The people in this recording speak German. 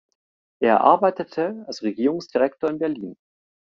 Er arbeitete als Regierungsdirektor in Berlin.